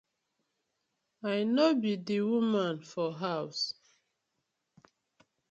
I no bi di woman for haws.